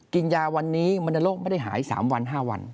กินยาวันนี้มณโรคไม่ได้หาย๓วัน๕วัน